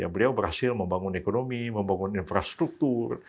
beliau berhasil membangun ekonomi membangun infrastruktur